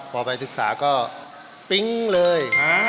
พอไปศึกษาก็ปิ๊งเลย